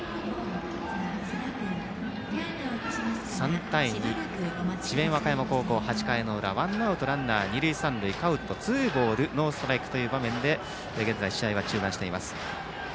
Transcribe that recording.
３対２、智弁和歌山高校８回の裏ワンアウトランナー、二塁三塁カウントツーボールノーストライクという場面で現在、試合は中断しています。